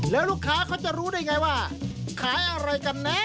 แล้วลูกค้าเขาจะรู้ได้ไงว่าขายอะไรกันแน่